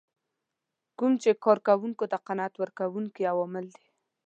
کوم چې کار کوونکو ته قناعت ورکوونکي عوامل دي.